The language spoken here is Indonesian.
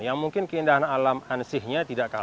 yang mungkin keindahan alam ansihnya tidak kalah